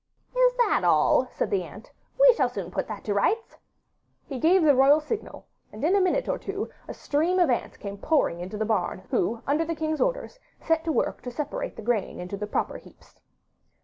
'Is that all?' said the ant; 'we shall soon put that to rights.' He gave the royal signal, and in a minute or two a stream of ants came pouring into the barn, who under the king's orders set to work to separate the grain into the proper heaps.